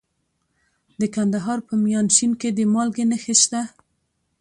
د کندهار په میانشین کې د مالګې نښې شته.